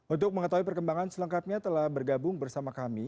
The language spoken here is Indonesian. untuk mengetahui perkembangan selengkapnya telah bergabung bersama kami